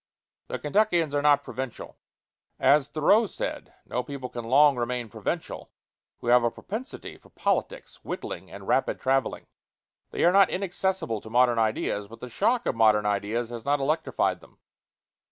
The Kentuckians are not provincial. As Thoreau said, no people can long remain provincial who have a propensity for politics, whittling, and rapid travelling. They are not inaccessible to modern ideas, but the shock of modern ideas has not electrified them.